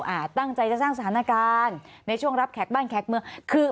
อ่าตั้งใจจะสร้างสถานการณ์ในช่วงรับแขกบ้านแขกเมืองคือ